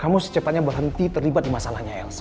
kamu secepatnya berhenti terlibat di masalahnya elsa